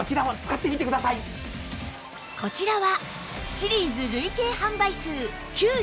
こちらはシリーズ累計販売数９２万